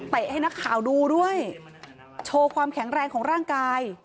ให้นักข่าวดูด้วยโชว์ความแข็งแรงของร่างกาย